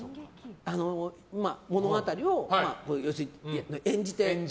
物語を演じて。